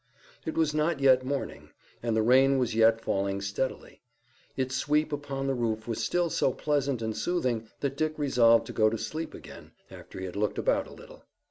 It was not yet morning and the rain was yet falling steadily. Its sweep upon the roof was still so pleasant and soothing that Dick resolved to go to sleep again, after he had looked about a little.